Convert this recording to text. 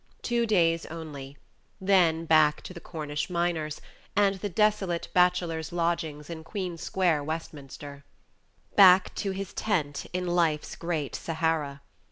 Two days only; then back to the Cornish miners, and the desolate bachelor's lodgings in Queen's Square, Westminster; back to his tent in life's great Sahara.